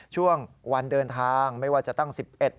ช่วงวันเดินทางไม่ว่าจะตั้ง๑๑